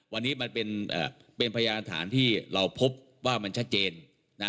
วันนี้มันเป็นพยานฐานที่เราพบว่ามันชัดเจนนะ